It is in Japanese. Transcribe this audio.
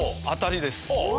当たりです。